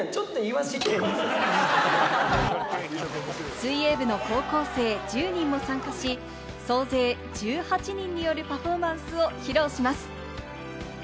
水泳部の高校生１０人も参加し、総勢１８人でパフォーマンスを披露します。